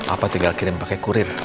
apa tinggal kirim pakai